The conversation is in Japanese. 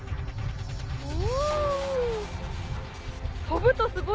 お。